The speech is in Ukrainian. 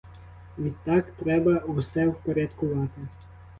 Відтак треба все впорядкувати.